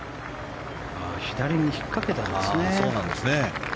左に引っかけたんですね。